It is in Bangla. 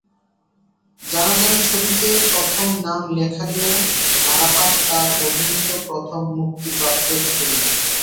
জানাজানি ছবিতে প্রথম নাম লেখালেও ধারাপাত তাঁর অভিনীত প্রথম মুক্তিপ্রাপ্ত ছবি।